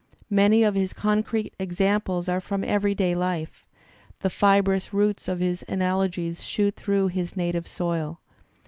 Many of his concrete examples are from e very day life; the fibrous roots of his analogies shoot through his native soil.